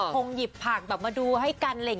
เขาก็หยิบพงหยิบผักมาดูให้กันเลย